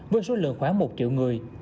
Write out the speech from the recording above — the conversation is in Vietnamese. với số lượng khoảng một triệu người